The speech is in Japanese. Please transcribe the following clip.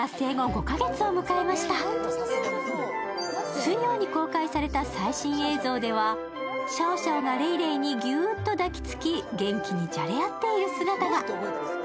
水曜に公開された最新映像では、シャオシャオがレイレイにギューっと抱きつき、元気にじゃれ合っている姿が。